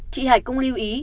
chị hải cũng lưu ý